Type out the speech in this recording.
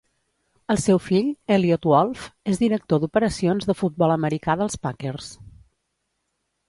El seu fill, Eliot Wolf, és Director d'operacions de futbol americà dels Packers.